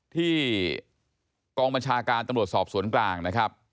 ที่กองบัญชาการตำรวจสอบสวนกลางนะครับ